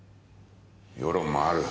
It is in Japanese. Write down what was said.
世論もある。